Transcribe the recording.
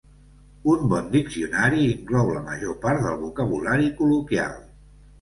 Un bon diccionari inclou la major part del vocabulari col·loquial.